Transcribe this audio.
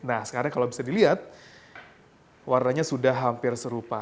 nah sekarang kalau bisa dilihat warnanya sudah hampir serupa